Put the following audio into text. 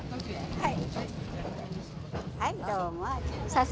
はい。